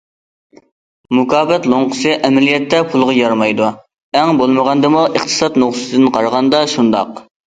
مۇكاپات لوڭقىسى ئەمەلىيەتتە پۇلغا يارىمايدۇ ئەڭ بولمىغاندىمۇ ئىقتىساد نۇقتىسىدىن قارىغاندا شۇنداق.